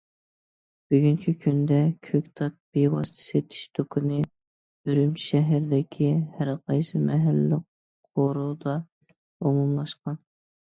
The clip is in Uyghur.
بۈگۈنكى كۈندە، كۆكتات بىۋاسىتە سېتىش دۇكىنى ئۈرۈمچى شەھىرىدىكى ھەرقايسى مەھەللە، قورۇدا ئومۇملاشقان.